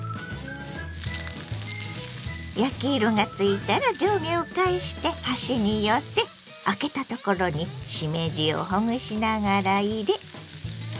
焼き色がついたら上下を返して端に寄せあけたところにしめじをほぐしながら入れ。